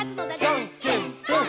「じゃんけんぽん！！」